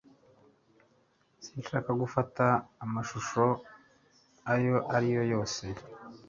Sinshaka gufata amashusho ayo ari yo yose